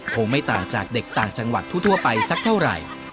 คงไม่ต่างจากเด็กต่างจังหวัดทั่วไปสักเท่าไหร่